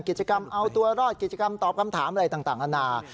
กิจกรรมเอาตัวรอดกิจกรรมตอบคำถามอะไรต่างนานา